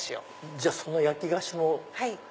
じゃあその焼き菓子も。